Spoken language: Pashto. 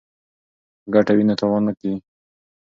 که ګټه وي نو تاوان نه کیږي.